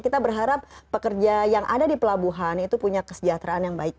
kita berharap pekerja yang ada di pelabuhan itu punya kesejahteraan yang baik